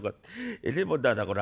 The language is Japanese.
えれえもんだなこら。